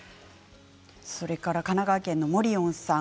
それから神奈川県の方。